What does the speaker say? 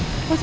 sẽ giúp con